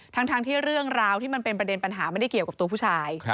ทั้งที่เรื่องราวที่มันเป็นประเด็นปัญหาไม่ได้เกี่ยวกับตัวผู้ชาย